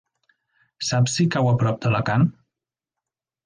Saps si cau a prop d'Alacant?